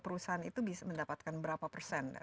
perusahaan itu bisa mendapatkan berapa persen